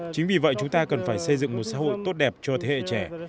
chính vì vậy chúng ta cần phải xây dựng một xã hội tốt đẹp cho thế hệ trẻ